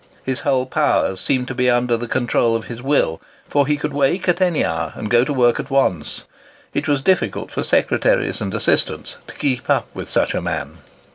His whole powers seemed to be under the control of his will, for he could wake at any hour, and go to work at once. It was difficult for secretaries and assistants to keep up with such a man.